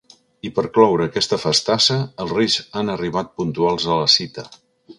I per cloure aquesta festassa els reis han arribat puntuals a la cita.